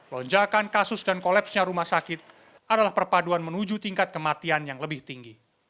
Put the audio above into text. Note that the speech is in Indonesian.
lonjakan kasus dan kolapsnya rumah sakit adalah perpaduan menuju tingkat kematian yang lebih tinggi